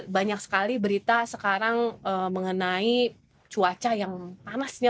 banyak sekali berita sekarang mengenai cuaca yang panas nih ya